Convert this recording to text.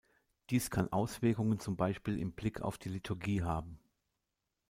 Dies kann Auswirkungen zum Beispiel im Blick auf die Liturgie haben.